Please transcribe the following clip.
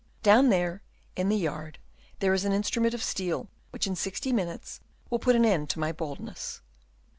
Down there in the yard, there is an instrument of steel, which in sixty minutes will put an end to my boldness.